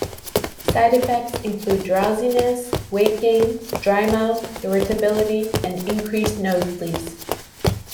Side effects include drowsiness, weight gain, dry mouth, irritability, and increased nosebleeds.